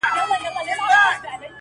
زما پر ښکلي اشنا وایه سلامونه-